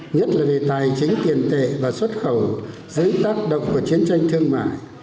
nhất là về tài chính tiền tệ và xuất khẩu dưới tác động của chiến tranh thương mại